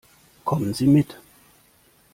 Kommen Sie mit.